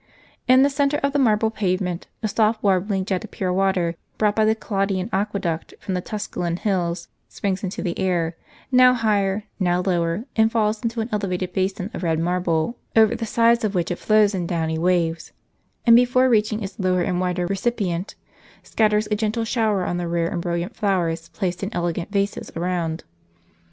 * In the centre of the marble pave ment a softly warbling jet of pure water, brought by the Claudian aqueduct from the Tnsculan hills, springs into the air, now higher, now lower, and falls into an elevated basin of red marble, over the sides of which it flows in downy waves ; and before reaching its lower and wdder recipient, scatters a gentle shower on the rare and brilliant flowers placed in elegant vases around.